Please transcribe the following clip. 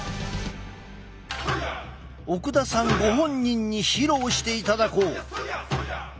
奥田さんご本人に披露していただこう。